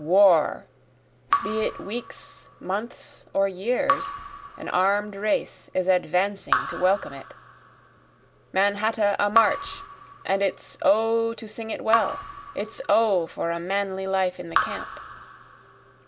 War! be it weeks, months, or years, an arm'd race is advancing to welcome it. Mannahatta a march and it's O to sing it well! It's O for a manly life in the camp.